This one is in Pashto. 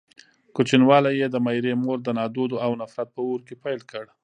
کوچنيوالی يې د ميرې مور د نادودو او نفرت په اور کې پيل کړ.